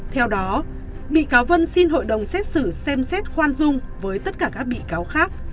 theo đó bị cáo vân xin hội đồng xét xử xem xét khoan dung với tất cả các bị cáo khác